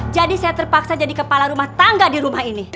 jadi saya terpaksa jadi kepala rumah tangga di rumah ini